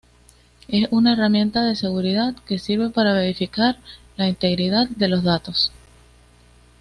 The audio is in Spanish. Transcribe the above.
Es una herramienta de seguridad que sirve para verificar la integridad de los datos.